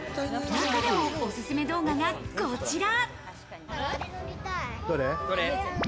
中でもオススメ動画がこちら。